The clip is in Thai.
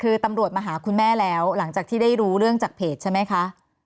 คือตำรวจมาหาคุณแม่แล้วหลังจากที่ได้รู้เรื่องจากเพจใช่ไหมคะ